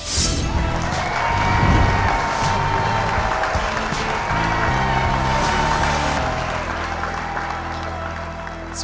เป็นอีกหนึ่งโรคที่น่ากลัวสำหรับผมมาก